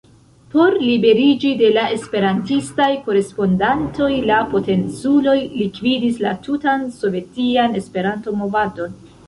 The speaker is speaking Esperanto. Por liberiĝi de la esperantistaj korespondantoj, la potenculoj likvidis la tutan Sovetian Esperanto-movadon.